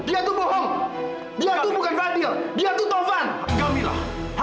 dia itu bohong dia itu bukan fadil dia itu tohan